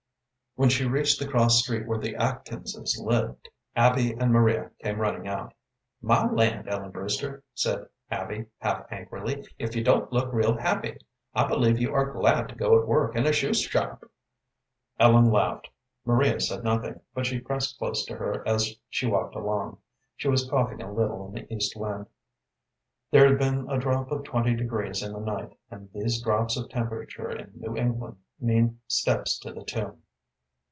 When she reached the cross street where the Atkinses lived Abby and Maria came running out. "My land, Ellen Brewster," said Abby, half angrily, "if you don't look real happy! I believe you are glad to go to work in a shoe shop!" Ellen laughed. Maria said nothing, but she pressed close to her as she walked along. She was coughing a little in the east wind. There had been a drop of twenty degrees in the night, and these drops of temperature in New England mean steps to the tomb.